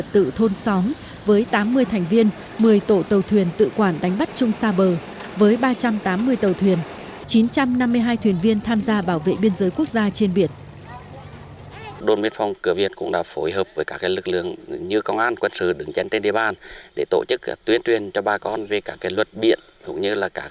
chín trăm năm mươi hai thuyền viên tham gia bảo vệ biên giới quốc gia trên biển